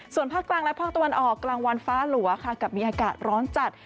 ส่วนภาคกลางและภาคตะวันออกกลางวันฟ้าหลัวค่ะกับมีอากาศร้อนจัด